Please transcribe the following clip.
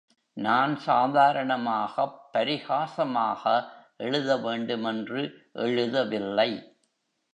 நான் சாதாரணமாகப் பரிஹாசமாக எழுத வேண்டுமென்று எழுதவில்லை.